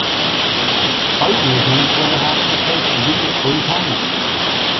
Bertman was named Florida High School Coach of the Year three times.